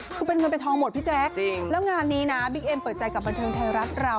คือเป็นเงินเป็นทองหมดพี่แจ๊คแล้วงานนี้นะบิ๊กเอ็มเปิดใจกับบันเทิงไทยรัฐเรา